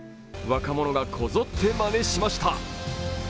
若者がこぞってまねしました。